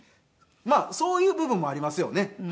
まあそういう部分もありますよね。